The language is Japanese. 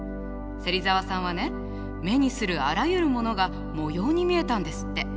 目にするあらゆるものが模様に見えたんですって。